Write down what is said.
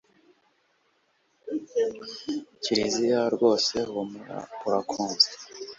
kiliziya, rwose humura urakunzwe